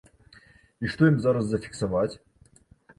І што ім зараз зафіксаваць?